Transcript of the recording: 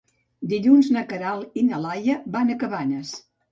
Dilluns na Queralt i na Laia van a Cabanes.